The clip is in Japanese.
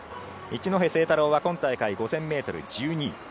一戸誠太郎は今大会５０００ｍ、１２位。